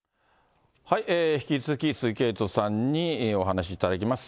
引き続き鈴木エイトさんにお話しいただきます。